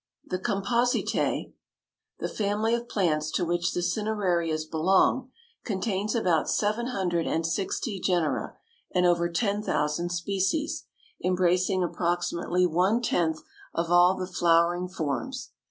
The Compositæ, the family of plants to which the cinerarias belong, contains about seven hundred and sixty genera and over ten thousand species, embracing approximately one tenth of all the flowering forms.